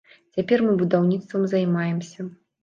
Цяпер мы будаўніцтвам займаемся.